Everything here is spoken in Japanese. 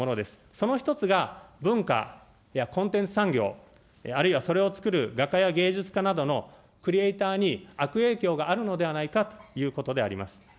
その１つが文化、コンテンツ産業、あるいはそれを作る画家や芸術家などのクリエイターに悪影響があるのではないかということであります。